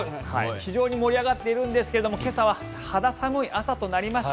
非常に盛り上がっているんですが今朝は肌寒い朝となりました。